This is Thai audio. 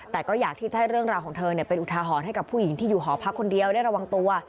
แต่ก็อยากที่จะให้เรื่องราวของเธอเป็นอุทาหรณ์ให้กับผู้หญิงที่อยู่หอพักคนเดียวได้ระวังตัว